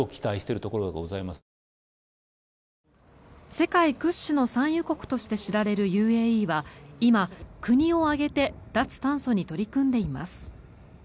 世界屈指の産油国として知られるＵＡＥは今、国を挙げて脱炭素に取り組んでいます。